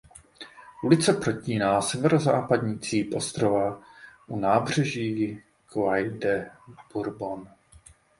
Ulice protíná severozápadní cíp ostrova u nábřeží "Quai de Bourbon".